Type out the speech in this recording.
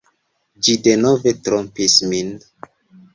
Ĝi denove trompis min.